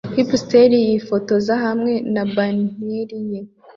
Hipster yifotoza hamwe na banneri ye